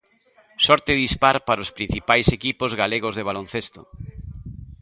Sorte dispar para os principais equipos galegos de Baloncesto.